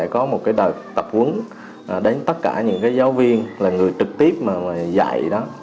có một tập quấn đến tất cả những giáo viên người trực tiếp dạy